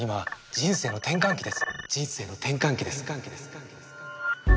「人生の転換期です」。